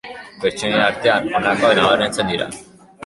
Pertsonaien artean honakoak nabarmentzen dira.